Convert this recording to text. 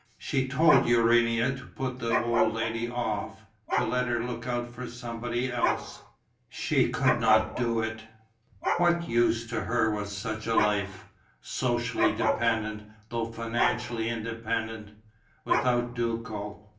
She told Urania to put the old lady off, to let her look out for somebody else. She could not do it. What use to her was such a life socially dependent, though financially independent without Duco?